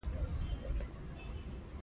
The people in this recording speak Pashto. خدای دې وبخشي.